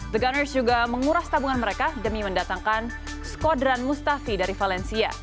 the gunners juga menguras tabungan mereka demi mendatangkan skodran mustafi dari valencia